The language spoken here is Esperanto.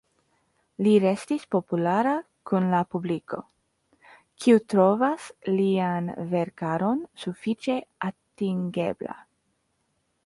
Li restis populara kun la publiko, kiu trovas lian verkaron sufiĉe atingebla.